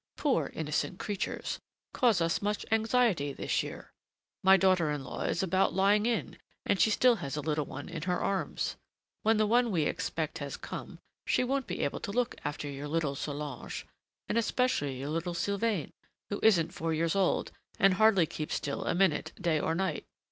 poor innocent creatures! cause us much anxiety this year. My daughter in law is about lying in, and she still has a little one in her arms. When the one we expect has come, she won't be able to look after your little Solange, and especially your little Sylvain, who isn't four years old and hardly keeps still a minute day or night.